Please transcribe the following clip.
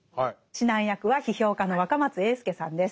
指南役は批評家の若松英輔さんです。